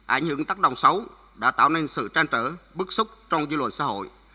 ánh hưởng tác động xấu đã tạo nên sự tranh trở bức xúc trong dư luận xã hội